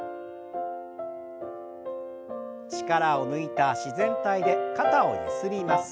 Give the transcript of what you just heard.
力を抜いた自然体で肩をゆすります。